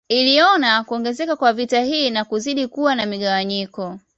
Iliona kuongezeka kwa vita hii na kuzidi kuwa na migawanyiko